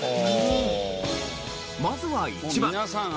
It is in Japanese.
まずは１番。